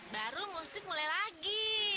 baru musik mulai lagi